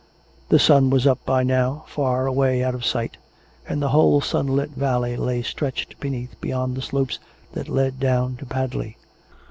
The sun was up by now, far away out of sight; and the whole sunlit valley lay stretched beneath beyond the slopes that led down to Padley.